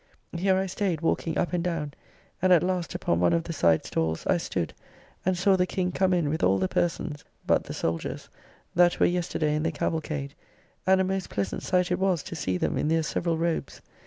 Here I staid walking up and down, and at last upon one of the side stalls I stood and saw the King come in with all the persons (but the soldiers) that were yesterday in the cavalcade; and a most pleasant sight it was to see them in their several robes.